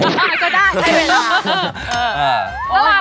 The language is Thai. ก็ได้ให้เวลา